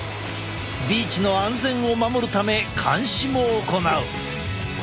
ビーチの安全を守るため監視も行う。